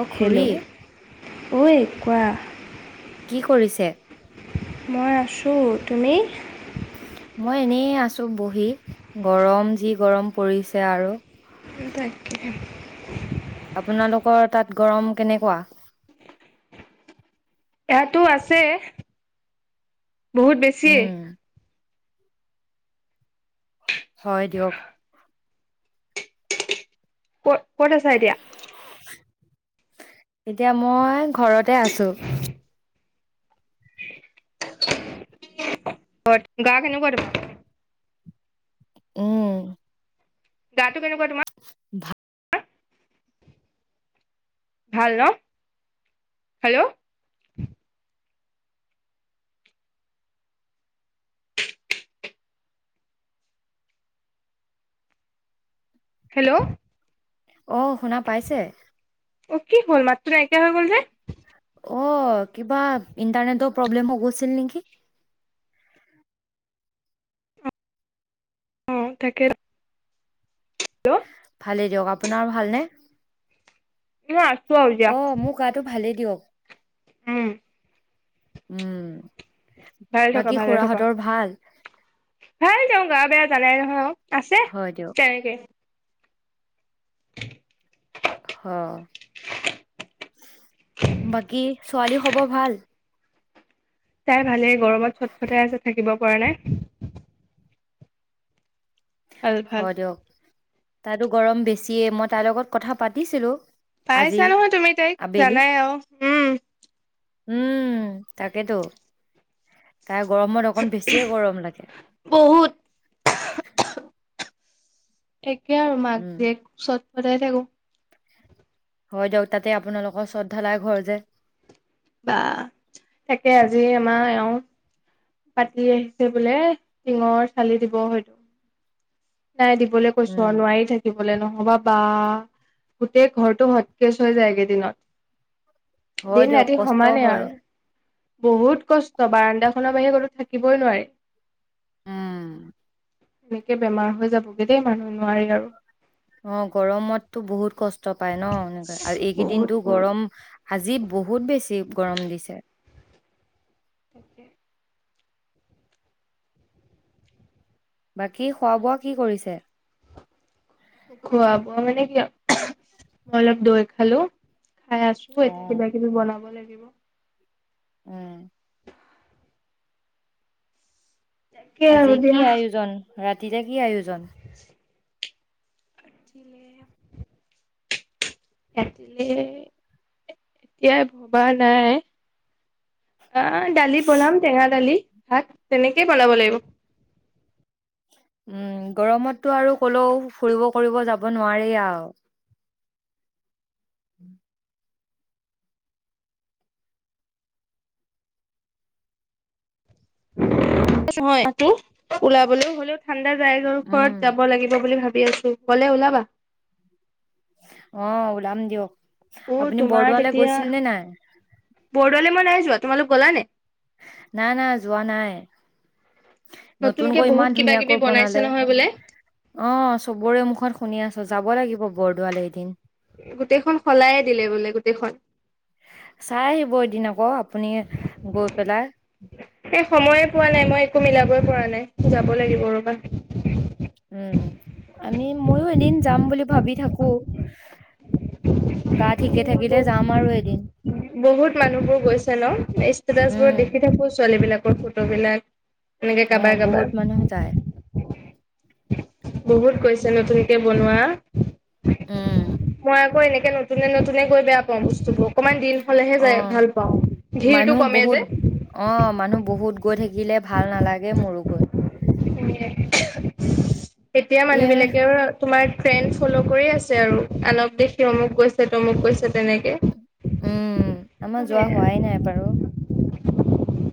অ hello খুুৰী ঐ কোৱা কি কৰিছে ত তুমি মই এনেই আছো বহি গৰম যি গৰম পৰিছে আৰু তাকে আপোনালোকৰ তাত গৰম কেনেকুৱা ইয়াতো আছে বহুত বেছিয়ে উম হয় দিয়ক কত ক'ত আছা এতিয়া এতিয়া মই ঘৰতে আছো গা কেনেকুৱা অঁ দ ভাল ভাল ন হেল্ল' হেল্ল' অ শুনা পাইছে অ কি হ'ল মাত্ৰ নাইে হৈ গ'ল যে অ, কিবা ইন্টাৰনেটৰ প্ৰব্লেম গৈছিল নেকি অ' তাকে হেল্ল' ভালেই দিয়ক আপোনাৰ ভালনেে ন আছো আজা মোৰ গাটো ভালেই দিয়ক হম উম' ভাল থকা বাকী ভালে থকা খুৰাহঁতৰ ভাল ভাল য গা বেয়া জালে নহয় আৰু আছে, হয় দিয়ক তেনেকে অ' বাকী ছোৱালী খবৰ ভাল তাই ভালে। গৰমত চটফটাই আছে থাকিব পৰা নাই ভাল ভাল। হয় দিয়ক তাতো গৰম বেছিয়ে, মই তাইৰ লগত কথা পাতিছিলো। আজি পাইছা নহয় তুমি তাইক, আবেলি জানাই আও। উম। উম। তাকেতো। তাৰ গৰমত অকণ বেছিয়ে গৰম লাগে। বহুত ঠিক কে আৰু মাক উম জীয়েক চৈ [unintelligible] থাকো। হয় দিয়ক তাতে আপোনালোকৰ চত ধালাই ঘৰ যে। বা তাকে আজি আমাৰ এওঁ পাতি আহিছে বোলে টিঙৰ চালি দিব হয় নাই দিবলে কৈছো উম আও নোৱাৰি থাকিব। লে নহবা বা গোটেই ঘৰটো সটকেজ হৈ যায়গেইদিনত হয় দিন দিয়ক ৰাতি কষ্ট সমানে হয় আৰু। বহুত কষ্ট বাৰাণ্ডাখনত মই গলো থাকিবই নোৱাৰে উম। এনেকে বেমাৰ হৈ যাবগে দেই মানুহ নোৱাৰি আৰু। অ গৰমতটো বহুত কষ্ট পাই ন এনেকৈ আৰু বহুত এইকেইদিনটো বহুত গৰম আজি বহুত বেছি গৰম দিছে। তাকে বাকী খোৱা বোৱা কি কৰিছে? খোৱা ব মানে কি অলপ দৈ খালো খাই আছো অ এতিয়া কিবা কিবি বনাব লাগিব লাগিব উম তাকে আৰু আজি দিয়া কি আয়োজন ৰাতিলে কি আয়োজন জন পঠিলে এজে এতিয়াই ভবা নাই অ দালি বনাম টেঙা দালি হাক তেনেকেই বনাব লাগিব উম গৰমততো আৰু কলেও ফুৰিব কৰিব যাব নোৱাৰি আৰু উম নহয় সটো ওলাবলে হ'লেও ঠাণ্ডা ৰাইজৰ উম ওচৰত যাব লাগিব বুলি ভাব ভাবি আছো গ'লে ওলাবা অ ওলাম দিয়ক অ আপুনি তোমাৰ বৰদোৱালৈ গৈছিল নে নাই প মই নাই যোৱা তোমালোক গল নে নাই না যোৱা নাই নতুনকে নতুনকৈ বহুত ইমান কিবা কিবি ধুনীয়াাকৈ বনাইছে বনালে নহয় বোলে অ চবৰে মুখত শুনি আছো যাব লাগিব বৰ্ডোৱালে এদিন গোটেইখন সলায়ে দিলে বোলে গোটেইখন চাই আহিব এদিন আকৌ আপুনি গৈ পেলাই এই সময়ে পোৱা নাই মই একো মিলাবই পৰা নাই যাব লাগিব ৰ'বা উম আমি ময়ো এদিন যাম বুলি ভাবি থাকো গাত ঠিকে থাকিলে যাম আৰু এদিন বহুত মানুহ বোৰ গৈছে ন ষ্টেটাচ উম, বোৰ দেখি থাকো ছোৱালী বিলাক ফটো বিলাক এনেকে অ কাবাৰ কাবাৰ বহুত মানুহ যায় বহুত গৈছে নতুনকে বনোৱা উম, মই আকৌ এনেকে নতুনে নতুনে গৈ বেয়া পা বস্তুোৰ অকণমান দিিল অ মানুহ কমে বহুত যে। অ মানুহ বহুত গৈ থাকিলে ভাল নালাগে মোৰো গৈ এতিয়া মানুহ এই বিলাকেও তোমাৰ ট্ৰেণ্ড ফল' কৰি আছে আৰু আলপ দেখি অমুক গৈছে তমুক গৈছে তেনেকে। উম আমাৰ যোৱা সেয়া। হোৱাই নাই বাৰু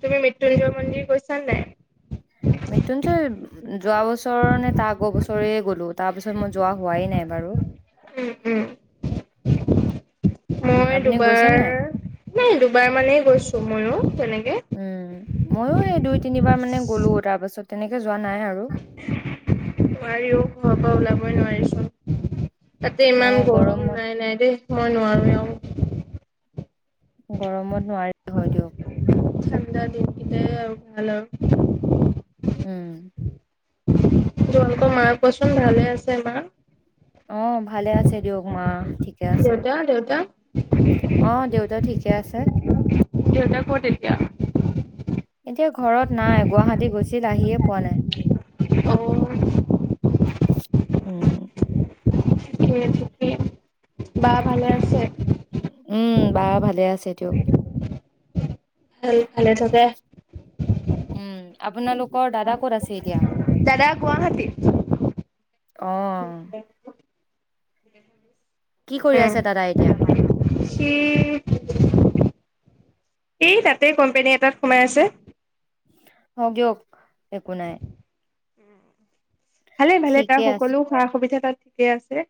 তুমি মৃত্যুঞ্জয় মন্দিৰ কৈছা নাই মৃত্যুঞ্জয় যোৱা বছৰ নে তাৰ আগৰ বছৰে গলো তাৰ পিছত মই যোৱা হোৱাই নাই বাৰু উম উম মই আপুনি গৈছে দুবাৰ নাই নাই দুবাৰ মানেই গৈছো ময়ো তেনেকে াৰ মানে গ'লো তাৰ পাছত তেনেকে যোৱা নাই আৰু বোৱাৰিও ঘৰৰ পৰা ওলাব ই নোৱাৰিছো তাতে অ ইমান গৰম গৰমত নাই নাই দেই মই নোৱাৰো এওঁ [unintelligible] গৰমত নোৱাৰি হয় দিয়ক ঠাণ্ডা দিন কেইটাই আৰু ভাল উম তোমালোকৰ মাক কচোন ভালে আছে মা অ ভালে আছে দিয়ক মা ঠিকে আছে দেউতা দেউতা অ দেউতাও ঠিকে আছে দেউত কটলকে এতিয়া ঘৰত নাই গুৱাহাটী গৈছিল আহিয়ে পোৱা নাই অ উম থিকে বা ভালে আছে উম বা ভালে আছে চটও ভাল ভালে থাকে উম আপোনালোকৰ দাদা ক'ত আছে এতিয়া দাদা গুৱাহাটী আহ কি কৰি উম আছে দাদাই এতিয়া সি এই তাতে কোম্পেনী এটাত সোমাই আছে হক গিয়ক একো নাই ভালে ভালে তাৰ ঠিকে আছে, সকলো সা সুবিধা তাত ঠিকে আছে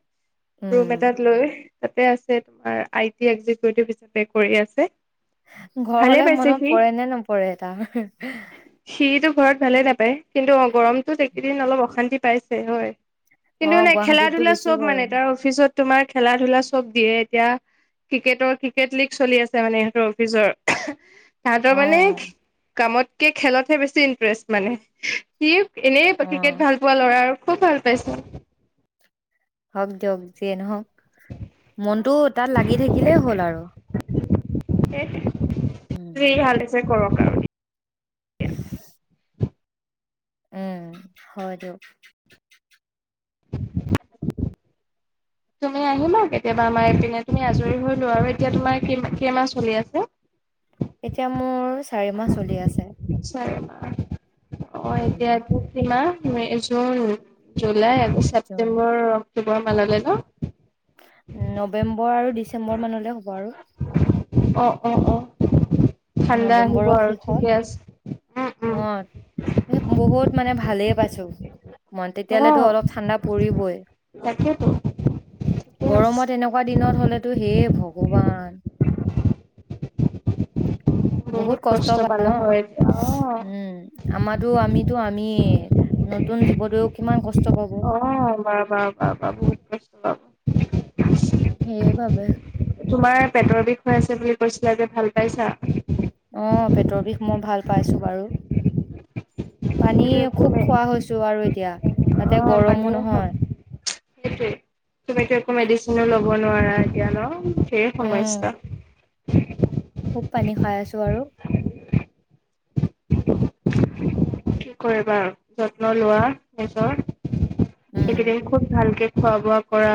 উম। ৰুম এটাত লৈ তাতে আছে তোমাৰ আই টি একিকউটিভ হিচাপে কৰি আছে ঘৰ ভালে লে পাইছে মনত সি পৰে নে নপৰে তাৰ সিটো ঘৰত ভালে নাপায় কিন্তু গৰমত একেইদিন অলপ অশান্তি সি পাইছে হয় কিন্তু অ', নে খেলা গুৱাহাটীততো ধূলা বেছি চব মানে গৰম। তাৰ অফিচত তোমাৰ খেলা ধূলা চব দিয়ে এতিয়া ক্ৰিকেটৰ ক্ৰিকেট লীগ চলি আছে মানে ইহঁতৰ অফিচৰ তাহাঁতৰ মানে অ', কামত সি খেলতহে বেছি ইণ্টাৰেষ্ট মানে। সি ফাক্কিং এনেই অ', [unintelligible] ভাল। আৰু খুব ভাল পাইছো। হওক দিয়ক যিয়ে নহওক, মনটো তাত লাগি থাকিলেই হ'ল আৰু। [unintelligible] উম, [unintelligible] [unintelligible] উম। হয় দিয়ক। তুমি আহিবা আৰু কেতিয়াবা আমাৰ ইপিনে তুমি আজৰি হৈলো আৰু এতিয়া তোমাৰ কি কেই মাহ চলি আছে। এতিয়া মোৰ চাৰি মাহ চলি আছে। [unintelligible] অ' উম, এতিয়া এইটো কি মাহ? May, June. July, August, June, September [unintelligible] ন। নৱেম্বৰ আৰু ডিচেম্বৰ মানলৈ হ'ব আৰু। অ', অ', অ'। ঠাণ্ডা আহিব নৱেম্বৰৰ আৰু শেষত। ঠিকে আছে উম উম অ', বহুত মানে ভালেই পাইছো। টো মন তেতিয়ালে অ অলপ ঠাণ্ডা পৰিবই তাকেতো ঠিকে আছে গৰমত এনেকুৱা দিনত হলেতো হেই ভগৱান বহুত কষ্ট [unintelligible] অ'। পালা হয় এতিয়া অ উম, আমাৰোটো আমিতো আমিয়ে, নতুন জীৱতয়ো কিমান কষ্ট পাব। অ বাৰ বাৰ বাৰ বাৰ বহুত কষ্ট পাব সেই বাবে তোমাৰ পেটৰ বিষ হৈ আছে বুলি কৈছিলা যে ভাল পাইছা? অ' পেটৰ বিষ মই ভাল পাইছো বাৰু। পানী সেইটো একো খুব নাই খোৱা হৈছো আৰু এতিয়া, অ তাতে পানী গৰমো খাব নহয়। সেইটোৱে। তুমিতো একো মেডিচিনো লব নোৱাৰা এতিয়া ন? ধেৰ উম, সমস্যা [unintelligible] খুব পানী খাই আছোঁ আৰু। কি কৰিবা আৰু যত্ন লোৱা নিজৰ উম, একিদিন খুব ভালকে‌ খোৱা বোৱা কৰা,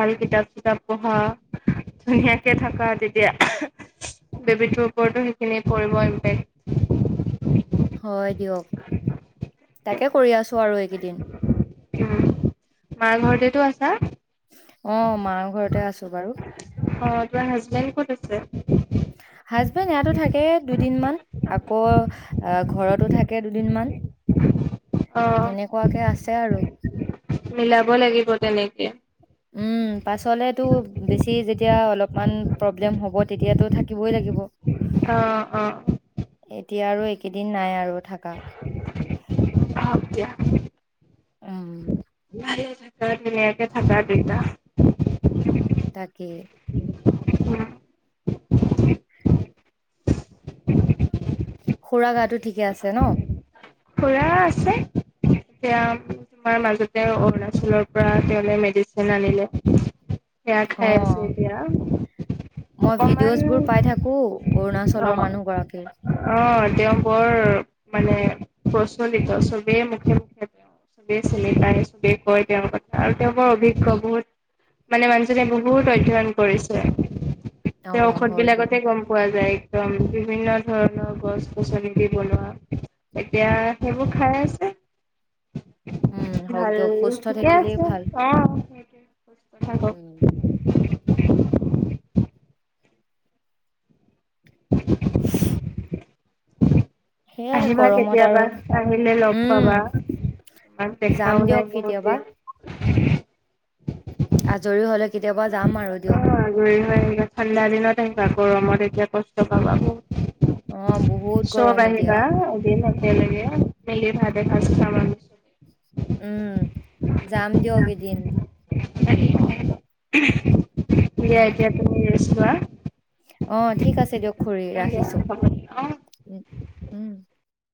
ভাল কিতাপ চিতাপ পঢ়া, ধুনীয়াকে থাকা তেতিয়া বেবীটোৰ ওপৰতো সেইখিনি পৰিব ইম্পেক্ট। হয়। দিয়ক তাকে কৰি আছো আৰু এইকেইদিন উম মাৰ ঘৰতেটো আছা অ মাৰ ঘৰতে আছোঁ বাৰু অ তোমাৰ হাজবেণ্ড ক'ত আছে? হাজবেণ্ড ইয়াতো থাকে দুদিনমান, আকৌ আহ ঘৰতো থাকে দুদিনমান অ তেনেকুৱাকে আছে আৰু এ উম পাছলেতো বেছি যেতিয়া অলপমান প্ৰব্লেম হ'ব তেতিয়াতো থাকিবই লাগিব। অ অ এতিয়া আৰু একেইদিন নাই আৰু থকা হওঁক দিয়া। উম ভালে থাকা ধুনীয়াকে থাকা দুইটা তাকে [unintelligible] খুৰাৰ গাটো ঠিকে আছে ন? খুৰা আছে, এতিয়া তোমাৰ মাজতে অৰুণাচলৰ পৰা তেওঁলে মেডিচিন আনিলে। সেয়া খাই আছে অ', এতিয়া মই ভিডিঅ'জ বোৰ পাই থাকো অৰুণাচলৰ অকমান--অ, মানুহ গৰাকীৰ। অ তেওঁ বৰ মানে প্ৰচলিত সবেই মুখে মুখে--সবেই চিনি পায়, সবেই কয় তেওঁৰ কথা আৰু তেওঁ বৰ অভিজ্ঞ বহুত--মানে, মানুহজনে বহুত অধ্যয়ন কৰিছে। তেওঁৰ অ', ঔষধ হয় দিয়ক। বিলাকতে গ'ম পোৱা যায়। বিভিন্ন ধৰণৰ গছ-গছনি দি বনোৱা। এতিয়া, সেইবোৰ খাই আছে। উম, হওক ভাল, দিয়ক সুস্থ ঠিকে থাকিলেই আছে। অ ভাল। সেইটোৱে, থাকক উম, [unintelligible] [unintelligible] সেয়াই আহিবা গৰমত আৰু কেতিয়াবা, আহিলে লগ উম, পাবা। তোমাক যাম দেখাও নাই দিয়ক বহুত কেতিয়াবা। দিন [unintelligible] আজৰি হ'লে কেতিয়াবা যাম আৰু অ দিয়ক। আজৰি হৈ আহিবা, ঠাণ্ডা দিনত আহিবা। গৰমত এতিয়া কষ্ট পাবা বহুত অ বহুত চব গৰম এতিয়া আহিবা হয়। এদিন একেলগে মিলি ভাত এসাঁজ খাম আমি। উম--যাম দিয়ক এদিন। ৰাতি [unintelligible] উম কি এ, উম। এতিয়া তুমি োৱা অ ঠিক আছে দিয়ক খুৰি ৰাখিছো লোৱা অ উ উম